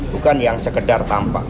bukan yang sekedar tampak